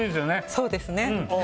そうですね。